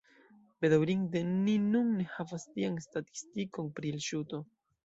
Bedaŭrinde ni nun ne havas tian statistikon pri elŝuto.